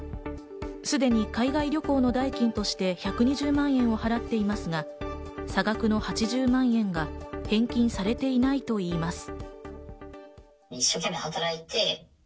すでに海外旅行の代金として１２０万円を支払っていますが、差額の８０万円が返金されていないと言います。